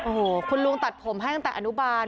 โอ้โหคุณลุงตัดผมให้ตั้งแต่อนุบาล